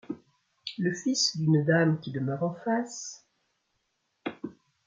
Le fils d’une dame qui demeure en face. ..